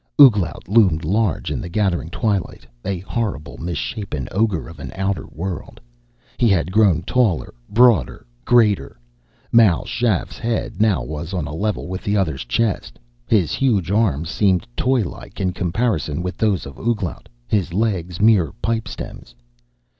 Ouglat loomed large in the gathering twilight, a horrible misshapen ogre of an outer world. He had grown taller, broader, greater. Mal Shaff's head now was on a level with the other's chest; his huge arms seemed toylike in comparison with those of Ouglat, his legs mere pipestems.